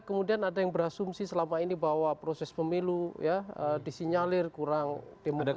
kemudian ada yang berasumsi selama ini bahwa proses pemilu disinyalir kurang demokratis